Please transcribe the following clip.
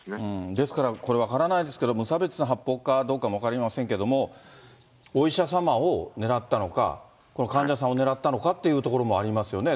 ですから、これ、分からないですけど、無差別の発砲かどうかも分かりませんけども、お医者様を狙ったのか、この患者さんを狙ったのかっていうところもありますよね。